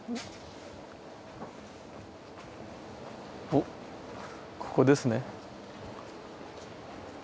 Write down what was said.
おっここですね。